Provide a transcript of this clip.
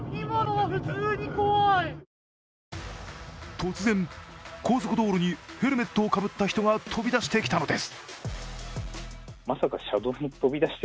突然、高速道路にヘルメットをかぶった人が飛び出してきたのです。